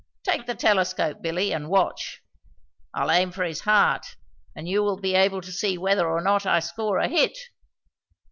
"Take the telescope, Billy, and watch. I'll aim for his heart, and you will be able to see whether or not I score a hit."